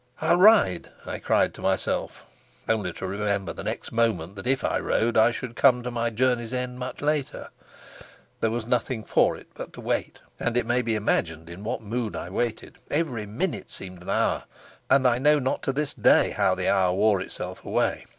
"I'll ride," I cried to myself, only to remember the next moment that, if I rode, I should come to my journey's end much later. There was nothing for it but to wait, and it may be imagined in what mood I waited. Every minute seemed an hour, and I know not to this day how the hour wore itself away.